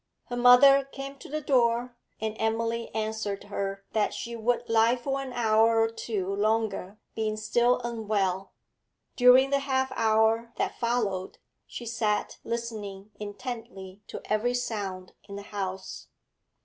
Her mother came to the door, and Emily answered her that she would lie for an hour or two longer, being still unwell. During the half hour that followed she sat listening intently to every sound in the house.